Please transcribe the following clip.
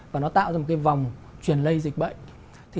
và nó tạo ra một vòng truyền lây dịch bệnh